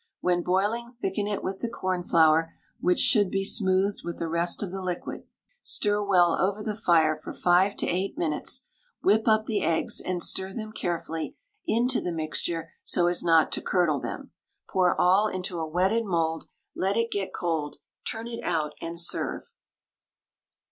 When boiling thicken it with the cornflour, which should be smoothed with the rest of the liquid. Stir well over the fire for 5 to 8 minutes; whip up the eggs and stir them carefully into the mixture so as not to curdle them. Pour all into a wetted mould, let it get cold, turn it out, and serve.